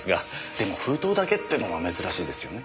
でも封筒だけってのは珍しいですよね？